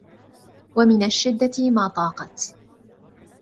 وَمِنْ الشِّدَّةِ مَا طَاقَتْ